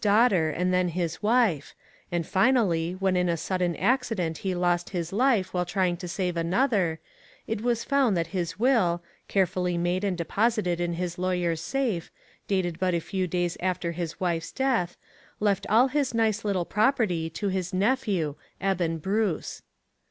439 daughter and then his wife, and finally, when in a sudden accident he lost his life while trying to save another, it was found that his will, carefully made and deposited in his lawyer's safe, dated but a few days after his wife's death, left all his nice little property to his nephew, Eben Bruce.